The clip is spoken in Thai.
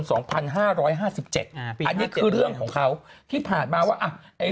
อันนี้คือเรื่องของเขาที่ผ่านมาว่าอ่ะไอ้